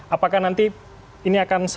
apakah nanti ini akan